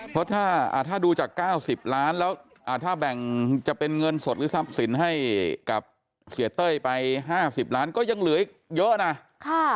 เพราะถ้าดูจาก๙๐ล้านแล้วถ้าแบ่งจะเป็นเงินสดหรือทรัพย์สินให้กับเสียเต้ยไป๕๐ล้านก็ยังเหลืออีกเยอะนะ